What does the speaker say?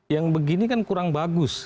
yang begini kan kurang bagus